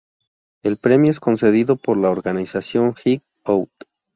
El premio es concedido por la organización Geek Out!